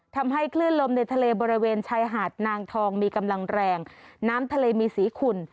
ทำให้คลื่นลมในทะเลบริเวณชายหาดนางทองมีกำลังแรงน้ำทะเลมีสีขุ่น